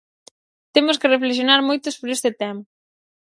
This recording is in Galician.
Temos que reflexionar moito sobre este tema.